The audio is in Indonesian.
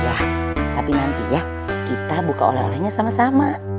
tapi nanti ya kita buka oleh olehnya sama sama